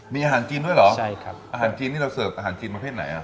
มีอาหารจีนด้วยเหรอใช่ครับอาหารจีนนี่เราเสิร์ฟอาหารจีนประเภทไหนอ่ะ